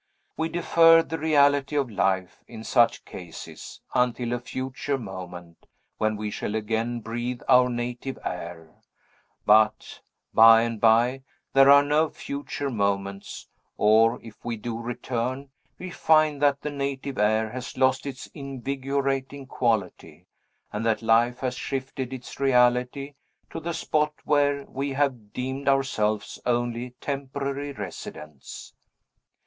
We defer the reality of life, in such cases, until a future moment, when we shall again breathe our native air; but, by and by, there are no future moments; or, if we do return, we find that the native air has lost its invigorating quality, and that life has shifted its reality to the spot where we have deemed ourselves only temporary residents.